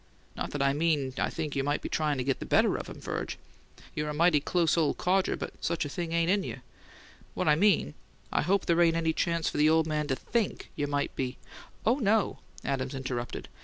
Not that I mean I think you might be tryin' to get the better of him, Virg. You're a mighty close ole codger, but such a thing ain't in you. What I mean: I hope there ain't any chance for the ole man to THINK you might be " "Oh, no," Adams interrupted.